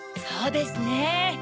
そうですね！